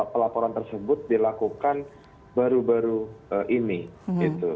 pelaporan tersebut dilakukan baru baru ini gitu